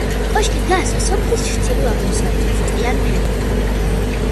კოშკი დგას სოფლის ჩრდილო-აღმოსავლეთით, ტყიან ფერდობზე.